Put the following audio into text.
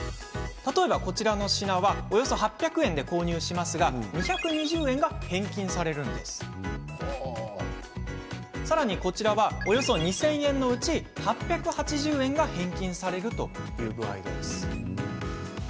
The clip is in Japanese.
例えば、こちらの品はおよそ８００円で購入しますが２２０円が返金されこちらはおよそ２０００円のうち８８０円が返金されるという具合です。